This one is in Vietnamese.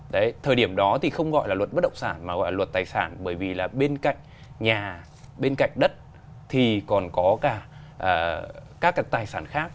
đấy thời điểm đó thì không gọi là luật bất động sản mà gọi là luật tài sản bởi vì là bên cạnh nhà bên cạnh đất thì còn có cả các tài sản khác